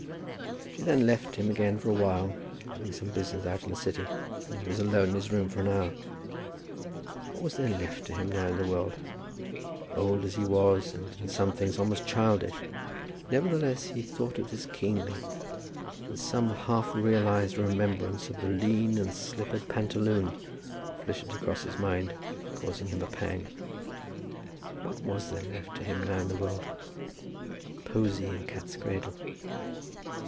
She then left him again for awhile, having some business out in the city, and he was alone in his room for an hour. What was there left to him now in the world? Old as he was, and in some things almost childish, nevertheless, he thought of this keenly, and some half realized remembrance of "the lean and slippered pantaloon" flitted across his mind, causing him a pang. What was there left to him now in the world? Posy and cat's cradle!